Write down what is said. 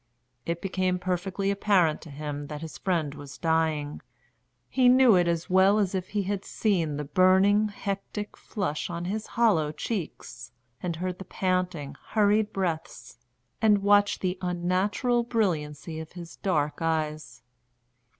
It became perfectly apparent to him that his friend was dying; he knew it as well as if he had seen the burning hectic flush on his hollow cheeks, and heard the panting, hurried breaths, and watched the unnatural brilliancy of his dark eyes.